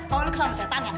kau kesambet setan ya